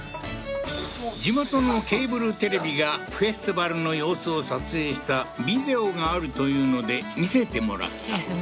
地元のケーブルテレビがフェスティバルの様子を撮影したビデオがあるというので見せてもらったいいですね